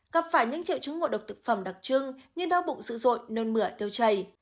gặp phải những triệu chứng ngô độc thực phẩm đặc trưng như đau bụng dữ dội nơn mửa tiêu chày